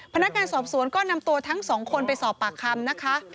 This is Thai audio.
พนักงานสอบสวนก็นำตัวทั้งสองคนไปสอบปากคำนะคะ